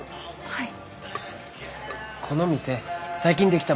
はい。